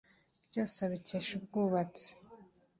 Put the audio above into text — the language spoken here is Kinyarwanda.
byose abikesha ubwubatsi